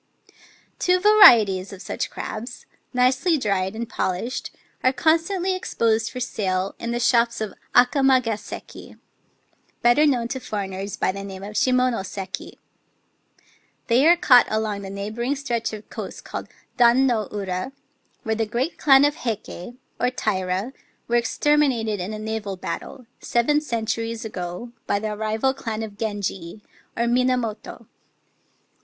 Two varieties of such crabs — nicely dried and polished — are constantly exposed for sale in the shops of Akamagaseki (better known to foreigners by the name of Shimonoseki). They are caught along the neighbouring stretch of coast called Dan no Ura, where the great clan of the Heike, or Taira, were exterminated in a naval battle, seven centuries ago, by the rival clan of Genji, or Mina moto.